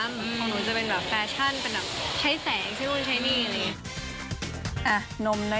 ของหนูจะเป็นแบบแฟชั่นเป็นแบบใช้แสงใช้นู่นใช้นี่อะไรอย่างนี้